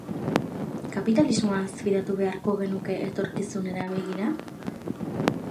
Kapitalismoaz fidatu beharko genuke etorkizunera begira?